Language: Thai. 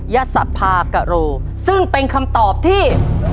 ยศภากะโรซึ่งเป็นคำตอบที่